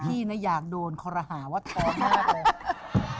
พี่อยากโดนคอรหาว่าท้องมากเลย